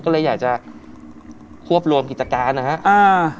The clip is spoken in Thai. ก็เลยอยากจะควบรวมกิจการนะฮะอ่า